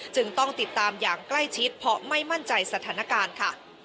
ต้องติดตามอย่างใกล้ชิดเพราะไม่มั่นใจสถานการณ์ค่ะ